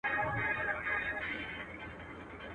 o د جولا منډه تر موږي پوري وي.